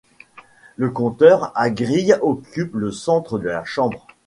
Le compteur à grille occupe le centre de la chambre.